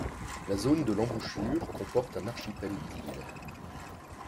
La zone de l’embouchure comporte un archipel d’îles.